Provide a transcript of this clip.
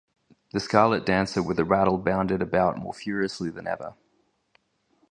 The scarlet dancer with the rattle bounded about more furiously than ever.